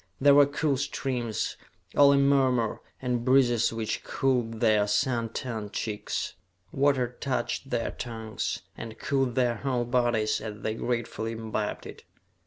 There were cool streams, all a murmur, and breezes which cooled their sun tanned cheeks. Water touched their tongues, and cooled their whole bodies as they gratefully imbibed it.